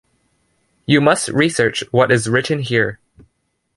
You must research what is written here.